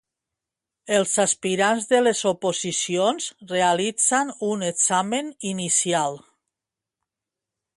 Els aspirants de les oposicions realitzen un examen inicial.